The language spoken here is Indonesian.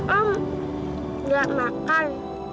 om gak makan